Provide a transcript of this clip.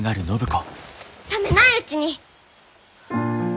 冷めないうちに！